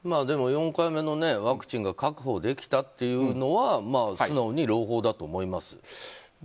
でも４回目のワクチンが確保できたっていうのは素直に朗報だと思います。